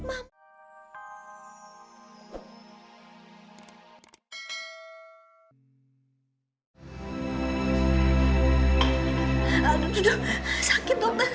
aduh sakit dokter